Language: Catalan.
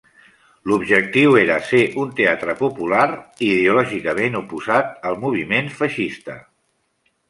L'objectiu era ser un teatre popular i ideològicament oposat al moviment feixista.